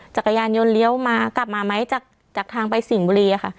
จักรยานยนต์เลี้ยวมากลับมาไหมจากทางไปสิ่งบุรีค่ะ